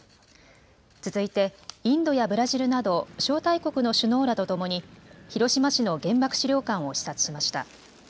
続いてインドやブラジルなど招待国の首脳らと共に、広島市の原爆資料館を視察しました。